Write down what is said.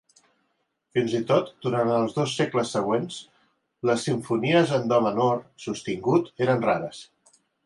Fins i tot durant els dos segles següents, les simfonies en do menor sostingut eren rares.